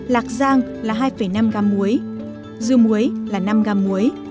lạc giang là hai năm gam muối dưa muối là năm gam muối